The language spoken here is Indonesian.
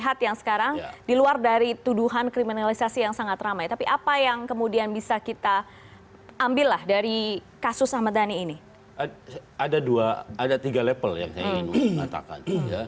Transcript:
ada dua ada tiga level yang saya ingin mengatakan